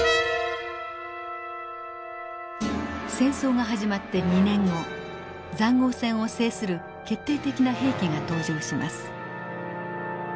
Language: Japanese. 戦争が始まって２年後塹壕戦を制する決定的な兵器が登場します。